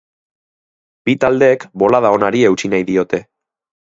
Bi taldeek bolada onari eutsi nahi diote.